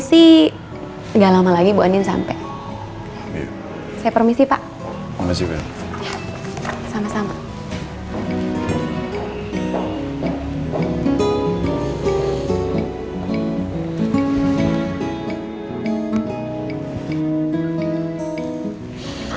sih enggak lama lagi bu andin sampai saya permisi pak sama sama